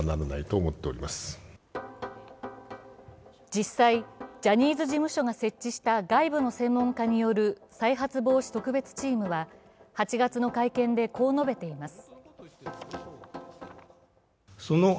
実際、ジャニーズ事務所が設置した外部の専門家による再発防止特別チームは、８月の会見でこう述べています。